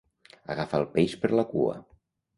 Agafar el peix per la cua.